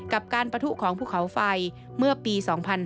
กับการปะทุของภูเขาไฟเมื่อปี๒๕๕๙